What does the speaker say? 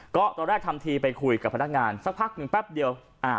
ก็ตอนแรกทำทีไปคุยกับพนักงานสักพักหนึ่งแป๊บเดียว